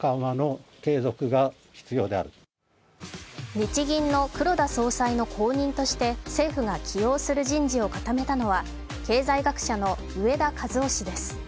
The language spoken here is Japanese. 日銀の黒田総裁の後任として政府が起用する人事を固めたのは経済学者の植田和男氏です。